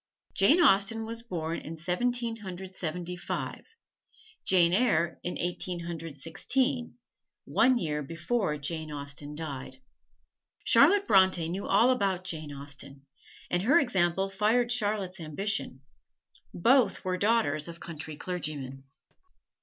Jane Austen was born in Seventeen Hundred Seventy five; "Jane Eyre" in Eighteen Hundred Sixteen one year before Jane Austen died. Charlotte Bronte knew all about Jane Austen, and her example fired Charlotte's ambition. Both were daughters of country clergymen.